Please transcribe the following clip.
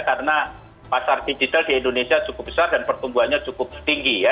karena pasar digital di indonesia cukup besar dan pertumbuhannya cukup tinggi ya